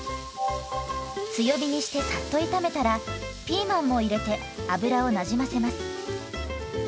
強火にしてさっと炒めたらピーマンも入れて油をなじませます。